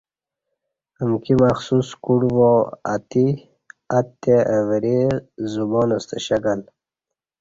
امکی مخصوص کوٹ واو اتے اہ وری ( زبان) ستہ شکل